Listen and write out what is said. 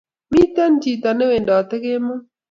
Miten chiton newendate kemo.